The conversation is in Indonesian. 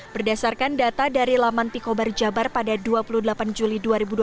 berdasarkan data dari laman pikobar jabar pada dua puluh delapan juli dua ribu dua puluh